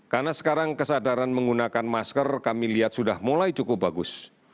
karena sekarang kesadaran menggunakan masker kami lihat sudah mulai cukup bagus